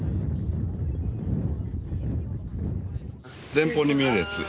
前方に見えるやつ。